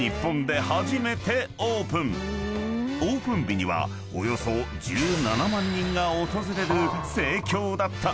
［オープン日にはおよそ１７万人が訪れる盛況だった］